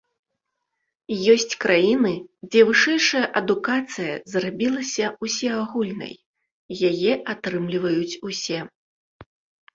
Ёсць краіны, дзе вышэйшая адукацыя зрабілася ўсеагульнай, яе атрымліваюць усе.